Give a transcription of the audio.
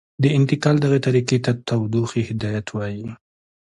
د انتقال دغې طریقې ته تودوخې هدایت وايي.